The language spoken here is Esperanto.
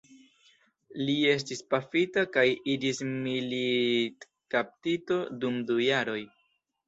Li estis pafita kaj iĝis militkaptito dum du jaroj.